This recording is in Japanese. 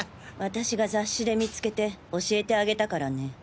私が雑誌で見つけて教えてあげたからね。